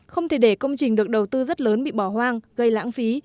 không thể để công trình được đầu tư rất lớn bị bỏ hoang gây lãng phí